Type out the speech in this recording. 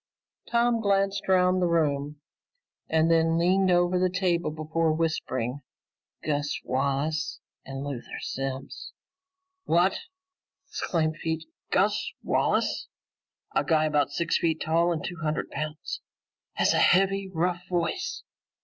Tom glanced around the room and then leaned over the table before whispering, "Gus Wallace and Luther Simms." "What?" exclaimed Pete. "Gus Wallace? A guy about six feet tall and two hundred pounds? Has a heavy rough voice?"